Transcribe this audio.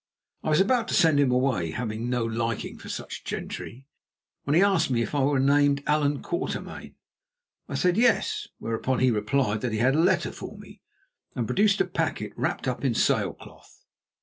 I was about to send him away, having no liking for such gentry, when he asked me if I were named Allan Quatermain. I said "Yes," whereon he replied that he had a letter for me, and produced a packet wrapped up in sail cloth.